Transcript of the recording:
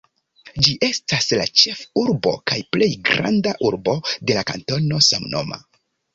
Ĝi estas la ĉefurbo kaj plej granda urbo de la kantono samnoma.